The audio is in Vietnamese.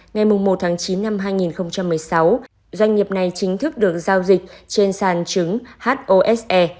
ngày một chín hai nghìn một mươi sáu doanh nghiệp này chính thức được giao dịch trên sàn trứng hose